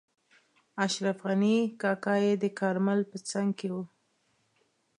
اشرف غني کاکا یې د کارمل په څنګ کې وو.